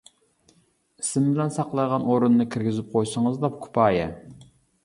ئىسىم بىلەن ساقلايدىغان ئورۇننى كىرگۈزۈپ قويسىڭىزلا كۇپايە.